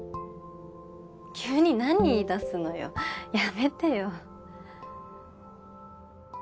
急に何言いだすのよやめてよ。